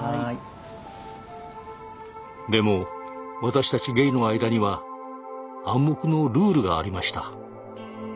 でも私たちゲイの間には暗黙のルールがありました。